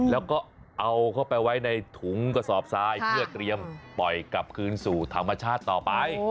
แล้วก็เอาเข้าไปไว้ในถุงกระสอบทรายเพื่อเตรียมปล่อยกลับคืนสู่ธรรมชาติต่อไป